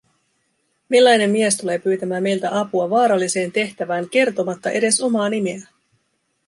Millainen mies tulee pyytämään meiltä apua vaaralliseen tehtävään kertomatta edes omaa nimeään?